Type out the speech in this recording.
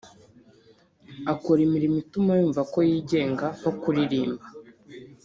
Akora imirimo ituma yumva ko yigenga nko kuririmba